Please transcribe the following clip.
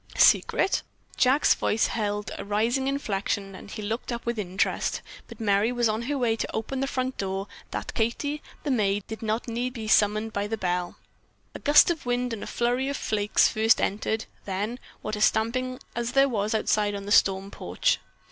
"Secret?" Jack's voice held a rising inflection and he looked up with interest, but Merry was on her way to open the front door that Katie, the maid, need not be summoned by the bell. A gust of wind and a flurry of flakes first entered, then, what a stamping as there was outside on the storm porch.